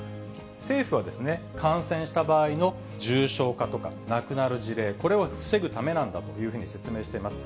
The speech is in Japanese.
政府は、感染した場合の重症化とか、亡くなる事例、これを防ぐためなんだというふうに説明しています。